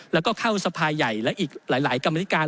แล้วก็เข้าสภาใหญ่และอีกหลายกรรมนิการ